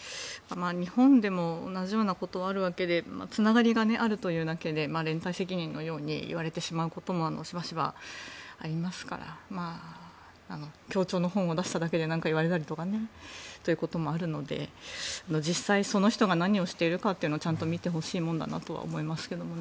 日本でも同じようなことはあるわけでつながりがあるというだけで連帯責任のように言われてしまうこともしばしばありますから共著の本を出しただけで何か言われたりとかもあるので実際、その人が何をしているかというのをちゃんと見てほしいなと思いますけどね。